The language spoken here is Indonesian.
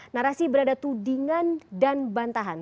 narasi berada tudingan dan bantahan